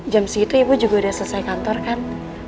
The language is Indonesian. jam segitu ibu juga udah selesai kantor kan